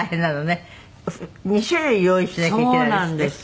２種類用意しなきゃいけないんですって？